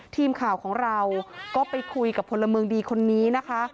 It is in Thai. ทีมข่าวของเราก็ไปคุยกับพลเมืองดีคนนี้นะคะ